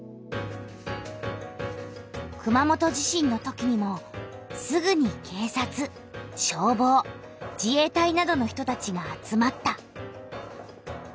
熊本地震のときにもすぐに警察消防自衛隊などの人たちが集まった。